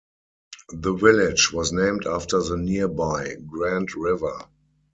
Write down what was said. The village was named after the nearby Grand River.